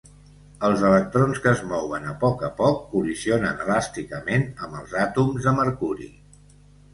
Els electrons que es mouen a poc a poc col·lisionen elàsticament amb els àtoms de mercuri.